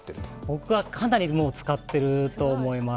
僕はかなり使っていると思います。